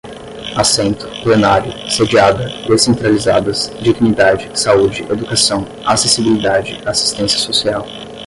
assento, plenário, sediada, descentralizadas, dignidade, saúde, educação, acessibilidade, assistência social